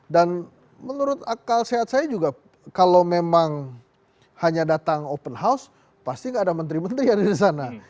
dan menurut akal sehat saya juga kalau memang hanya datang open house pasti enggak ada menteri menteri yang ada di sana